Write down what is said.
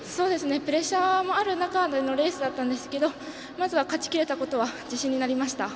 プレッシャーもある中でのレースだったんですけどまずは勝ちきれたことは自信になりました。